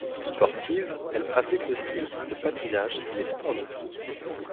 Sportive, elle pratique le ski, le patinage et les sports nautiques.